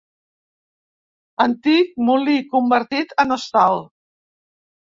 Antic molí convertit en hostal.